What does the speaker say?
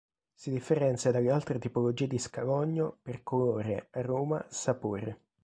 Si differenzia dalle altre tipologie di scalogno per colore, aroma, sapore.